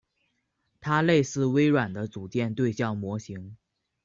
它类似微软的组件对象模型。